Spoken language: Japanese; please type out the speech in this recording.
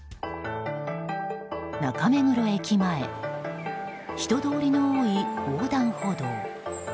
中目黒駅前人通りの多い横断歩道。